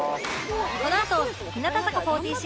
このあと日向坂４６